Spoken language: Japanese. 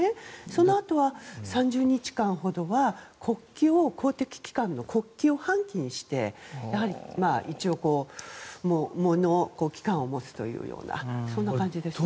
そのあとは３０日間ほどは公的機関の国旗を半旗にして喪の期間を持つというような感じです。